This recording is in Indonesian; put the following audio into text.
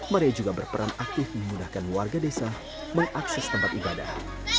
maria juga berperan aktif memudahkan warga desa mengakses tempat ibadah